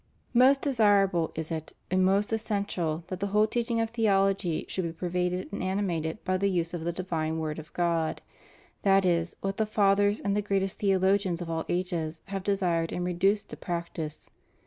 Most desirable is it, and most essential, that the whole teaching of theology should be pervaded and animated by the use of the divine Word of God. That is what the Fathers and the greatest theologians of all ages have de sired and reduced to practice.